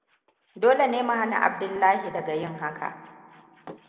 Dole mu hana Abdullahi daga yin haka.